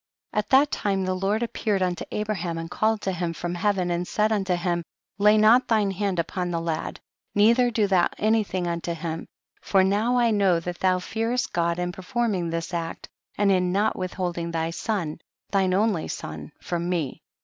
69. At that time the Lord appear ed unto Abraham, and called to him from heaven, and said unto him, lay not thine hand upon the lad, neither do thou any thing unto him, for now I know that thou fearest God in per forming this act, and in not withhold ing thy son, thine only son, from me.